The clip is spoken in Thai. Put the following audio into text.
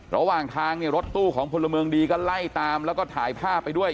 ระหว่างทางเนี่ยรถตู้ของพลเมืองดีก็ไล่ตามแล้วก็ถ่ายภาพไปด้วย